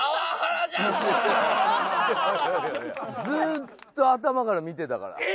ずっと頭から見てたから。